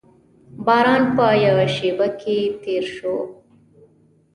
باران په یوه شېبه کې تېر شو.